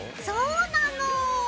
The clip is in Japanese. そうなの！